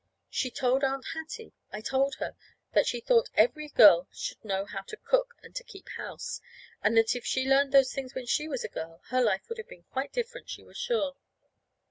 She told Aunt Hattie I heard her that she thought every girl should know how to cook and to keep house; and that if she had learned those things when she was a girl, her life would have been quite different, she was sure.